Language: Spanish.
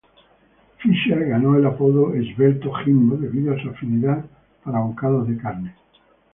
Fisher Ganó el apodo Esbelto Jimbo debido a su afinidad para bocados de carne.